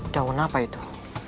daun apa itu